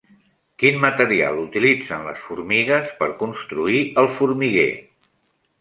Quin material utilitzen les formigues per construir el formiguer?